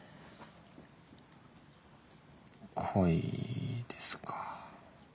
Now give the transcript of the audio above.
恋ですか。